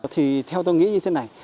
thì theo tôi nghĩ như thế này